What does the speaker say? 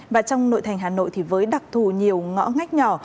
và trong nội thành hà nội thì với đặc thù nhiều ngõ ngách nhỏ